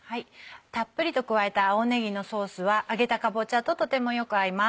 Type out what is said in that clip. たっぷりと加えた青ねぎのソースは揚げたかぼちゃととてもよく合います。